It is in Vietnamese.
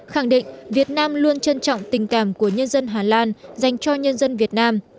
khẳng định việt nam luôn trân trọng tình cảm của nhân dân hà lan dành cho nhân dân việt nam